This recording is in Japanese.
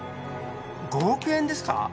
５億円ですか！？